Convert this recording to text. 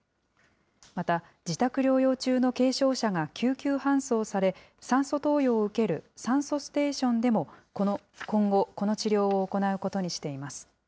また、自宅療養中の軽症者が救急搬送され、酸素投与を受ける酸素ステーションでも、今後、この治療を行うことにしています。